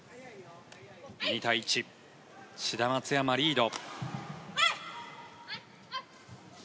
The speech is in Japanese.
２対１志田・松山リード。